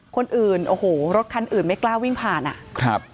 คนอื่นโอ้โหรถคันอื่นไม่กล้าวิ่งผ่านอ่ะครับ